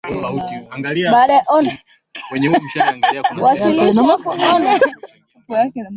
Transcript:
katika makala gurudumu la uchumi hii leo utawasikia wadau wakizungumzia